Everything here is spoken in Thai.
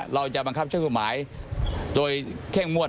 เราจะบังคับใช้กฎหมายโดยเข้มงวด